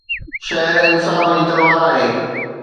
شهر انصاف جي تلوار آهي